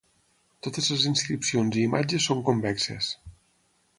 Totes les inscripcions i imatges són convexes.